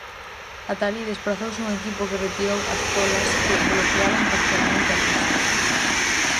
Ata alí desprazouse un equipo que retirou as polas que bloqueaban parcialmente a pista.